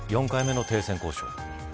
４回目の停戦交渉。